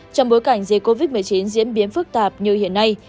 trong bối cảnh dịch covid một mươi chín diễn biến phức tạp như hiện nay